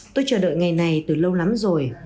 tôi chờ đợi ngày này từ lâu lắm rồi